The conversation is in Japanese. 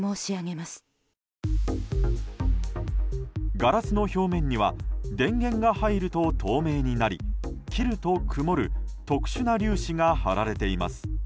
ガラスの表面には電源が入ると透明になり切ると曇る特殊な粒子が貼られています。